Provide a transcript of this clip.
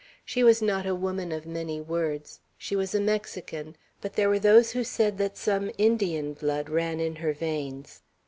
She was not a woman of many words. She was a Mexican, but there were those who said that some Indian blood ran in her veins.